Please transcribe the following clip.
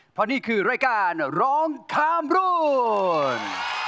เพราะนี่คือรายการร้องข้ามรุ่น